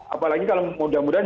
apalagi kalau mudah mudahan